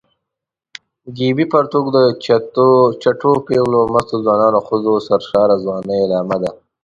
ګیبي پرتوګ د چټو پېغلو او مستو ځوانو ښځو د سرشاره ځوانۍ علامه وه.